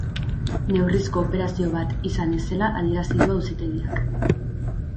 Neurrizko operazio bat izan ez zela adierazi du auzitegiak.